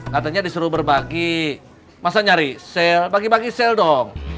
katanya disuruh berbagi masa nyari sel bagi bagi sel dong